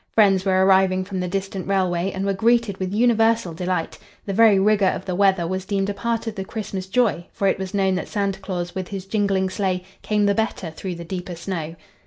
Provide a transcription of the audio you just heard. Friends were arriving from the distant railway and were greeted with universal delight. The very rigor of the weather was deemed a part of the Christmas joy, for it was known that Santa Claus with his jingling sleigh came the better through the deeper snow.